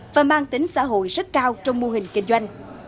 và mang tính xã hội rất cao trong mô hình kinh doanh